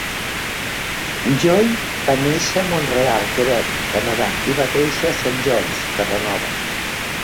Joy va néixer a Mont-real, Quebec, Canadà, i va créixer a Saint John's, Terranova.